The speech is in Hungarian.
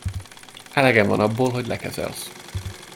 Elegem van abból, hogy lekezelsz.